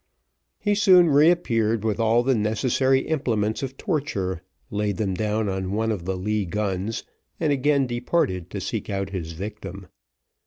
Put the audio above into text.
He soon re appeared with all the necessary implements of torture, laid them down on one of the lee guns, and again departed to seek out his victim.